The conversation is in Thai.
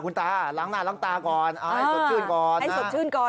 คุณตาล้างหน้าล้างตาก่อนเอาให้สดชื่นก่อนให้สดชื่นก่อน